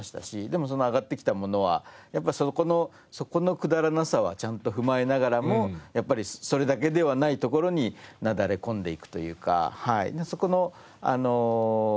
でもその上がってきたものはやっぱそこのくだらなさはちゃんと踏まえながらもやっぱりそれだけではないところになだれ込んでいくというかそこのやっぱまあさすがだなというか